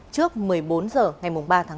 trước một mươi bốn h ngày ba tháng hai